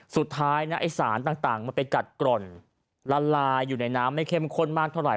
สุดท้ายนะไอ้สารต่างมันไปกัดกร่อนละลายอยู่ในน้ำไม่เข้มข้นมากเท่าไห